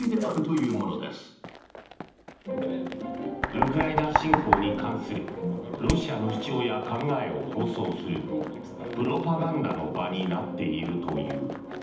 ウクライナ侵攻に関するロシアの主張や考えを放送するプロパガンダの場になっているという。